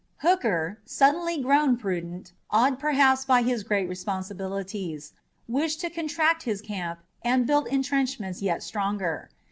Hooker, suddenly grown prudent, awed perhaps by his great responsibilities, wished to contract his camp and build intrenchments yet stronger.